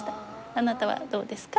あなたはどうですか？